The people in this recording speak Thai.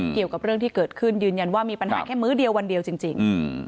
เกี่ยวกับเรื่องที่เกิดขึ้นยืนยันว่ามีปัญหาแค่มื้อเดียววันเดียวจริง